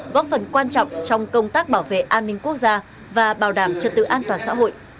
góp phần quan trọng trong công tác bảo vệ an ninh quốc gia và bảo đảm trật tự an toàn xã hội